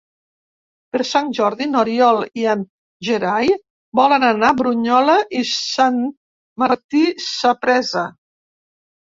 Per Sant Jordi n'Oriol i en Gerai volen anar a Brunyola i Sant Martí Sapresa.